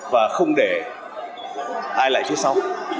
và không để ai lại trước sau